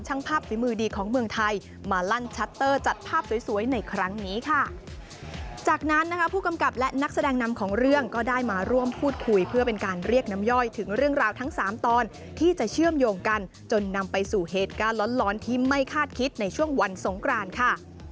จากนั้นนะครับผู้กำกับและนักแสดงนำของเรื่องก็ได้มาร่วมพูดคุยเพื่อเป็นการเรียกนำย่อยถึงเรื่องราวทั้ง๓ตอนที่จะเชื่อมโยงกันจนนำไปสู่เหตุการณ์ร้อนที่ไม่คาดคิดในช่วงวันสงครานค่ะ